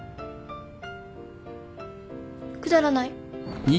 くだらない